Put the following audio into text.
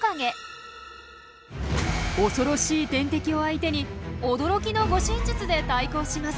怖ろしい天敵を相手に驚きの護身術で対抗します。